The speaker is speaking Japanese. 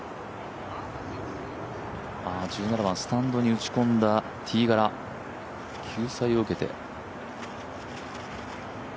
１７番、スタンドに打ち込んだティーガラ、救済を受けて。